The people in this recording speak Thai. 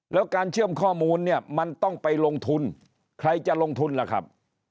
แล้วการเชื่อมข้อมูลเนี่ยมันต้องไปลงทุนใครจะลงทุนล่ะครับ